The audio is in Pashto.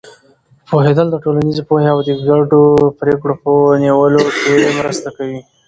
پوهېدل د ټولنیزې پوهې او د ګډو پرېکړو په نیولو کې مرسته کوي.